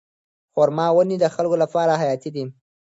خورما ونې د خلکو لپاره حیاتي دي.